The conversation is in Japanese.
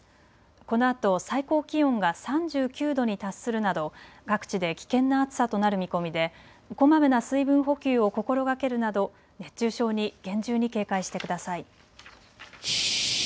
このあと最高気温が３９度に達するなど各地で危険な暑さとなる見込みでこまめな水分補給を心がけるなど熱中症に厳重に警戒してください。